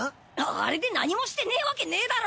あれで何もしてねえわけねえだろ。